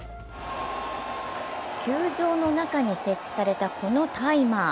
球場の中に設置された、このタイマー。